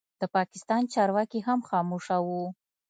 د پاکستان چارواکي هم خاموشه وو.